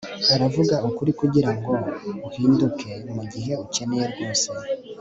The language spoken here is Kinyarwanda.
uravuga ukuri kugirango uhinduke, mugihe ukeneye rwose